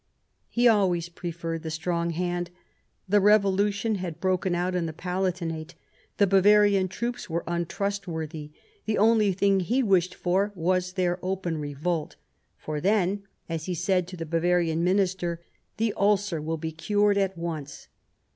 He always preferred the strong hand. The revolution had broken out in the Palatinate. The Bavarian troops were untrustworthy ; the only thing he wished for was their open revolt ;" for then," as he said to the Bavarian Minister, " the ulcer will be cured at once.